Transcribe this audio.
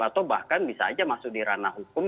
atau bahkan bisa aja masuk di ranah hukum